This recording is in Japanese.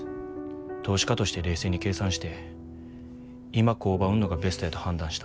投資家として冷静に計算して今工場を売んのがベストやと判断した。